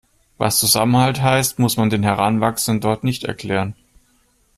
Was Zusammenhalt heißt, muss man den Heranwachsenden dort nicht erklären.